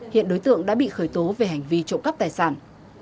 hiện đối tượng đã bị khởi tố về hành vi trộm cắp tài sản